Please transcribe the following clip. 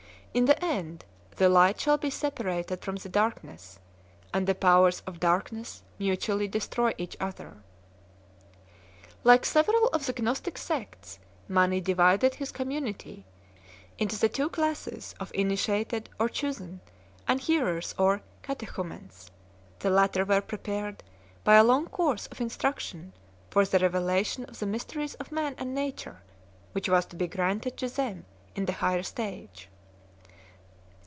In the end, the light shall be separated from the darkness, and the powers of darkness mutually destroy each other. Like several of the Gnostic sects, Mani divided his community into the two classes of Initiated, or Chosen, and Hearers or Catechumens ; the latter were prepared by a long course of instruction for the revelation of the mysteries of man and nature which was to be granted to them in the higher stage.